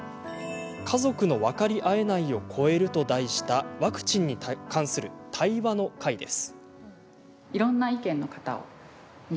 「家族の分かり合えないを越える」と題したワクチンに関する対話の会です。